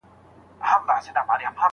په پخوا کي یو ښکاري وو له ښکاریانو